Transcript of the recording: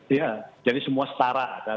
iya jadi semua setara